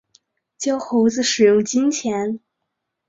教猴子使用金钱